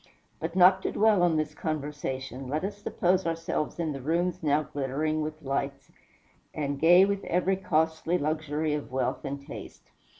But not to dwell on this conversation, let us suppose ourselves in the rooms now glittering with lights, and gay with every costly luxury of wealth and taste.